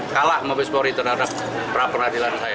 kalah mabespori terhadap pra peradilan saya